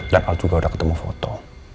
dan aku juga udah ketemu foto